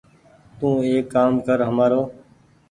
تو ايڪ ڪآم ڪر همآرو ۔